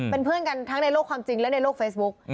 เป็นเพื่อนกันทั้งในโลกความจริงและในโลกโซเชียล